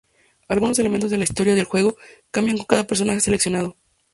Algunos elementos de la historia del juego cambian con cada personaje seleccionado.